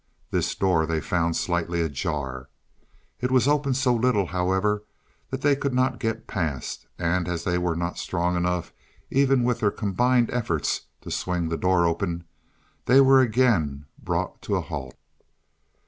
This door they found slightly ajar. It was open so little, however, that they could not get past, and as they were not strong enough even with their combined efforts, to swing the door open, they were again brought to a halt.